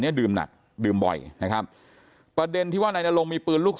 ดื่มหนักดื่มบ่อยนะครับประเด็นที่ว่านายนรงมีปืนลูก